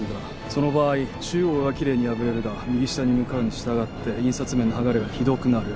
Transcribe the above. その場合中央上は奇麗に破れるが右下に向かうに従って印刷面の剥がれがひどくなる。